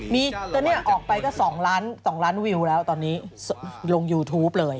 มีแต่เนี่ยออกไปก็๒ล้านวิวแล้วตอนนี้ลงยูทูปเลย